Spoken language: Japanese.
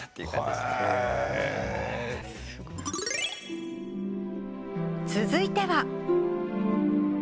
すごい。続いては。